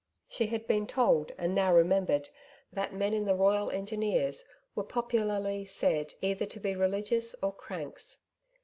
She had been told and now remembered that men in the ROYAL ENGINEERS were popularly said either to be religious or cranks.